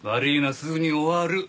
すぐに終わる。